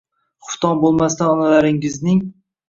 Xufton bo`lmasdan onalaringizning